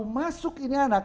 kalau masuk ini anak